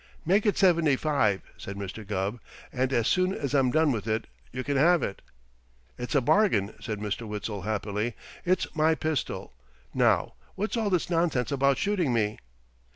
"Make it seventy five," said Mr. Gubb, "and as soon as I'm done with it, you can have it." "It's a bargain!" said Mr. Witzel happily. "It's my pistol. Now, what's all this nonsense about shooting me?"